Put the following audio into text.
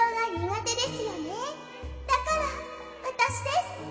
だからわたしです！